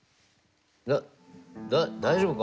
だ大丈夫か？